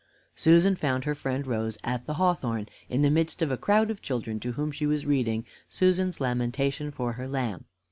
Susan found her friend Rose at the hawthorn, in the midst of a crowd of children, to whom she was reading "Susan's Lamentation for her Lamb."